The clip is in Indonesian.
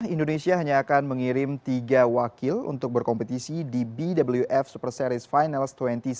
indonesia hanya akan mengirim tiga wakil untuk berkompetisi di bwf super series finals dua ribu dua puluh